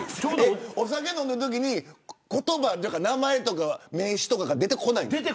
お酒飲んでるときに言葉とか名前とか名詞が出てこないんですか。